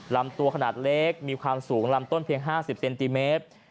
ลำตัวขนาดเล็กมีความสูงลำต้นเพียง๕๐เซนติเมตร